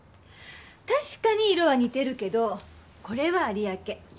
確かに色は似てるけどこれは有明。